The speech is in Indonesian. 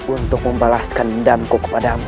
untuk membalaskan endamku kepada mu